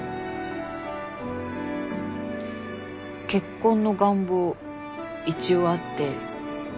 「結婚の願望一応あって。